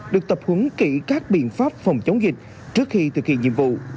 được tập huấn kỹ các biện pháp phòng chống dịch trước khi thực hiện nhiệm vụ